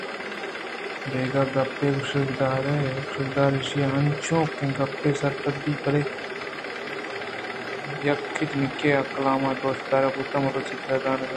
دگہ گپے گوش دار! ایشی ءَانچوکیں گپے سرپدمہ بئے کہ یک جنکے ءَ کہ آ کلام ءِ دوست دار بوتگ مروچی ترا زُرتگ